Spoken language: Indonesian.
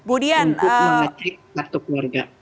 untuk mengecek kartu keluarga